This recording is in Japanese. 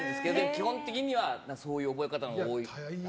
基本的にはそういう覚え方のほうが多い。